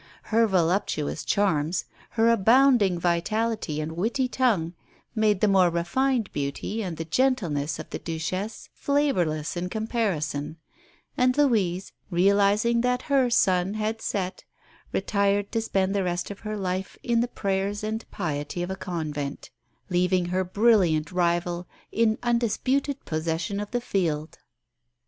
Her voluptuous charms, her abounding vitality and witty tongue, made the more refined beauty and the gentleness of the Duchesse flavourless in comparison; and Louise, realising that her sun had set, retired to spend the rest of her life in the prayers and piety of a convent, leaving her brilliant rival in undisputed possession of the field.